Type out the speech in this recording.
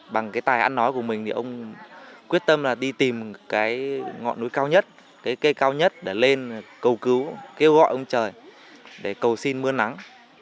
bằng cái tài ăn nói của mình thì ông quyết tâm là đi tìm cái ngọn núi cao nhất cái cây cao nhất để lên cầu cứu kêu gọi ông trời để cầu xin mưa nắng